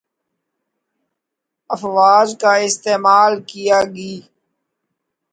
افواج کا استعمال کیا گی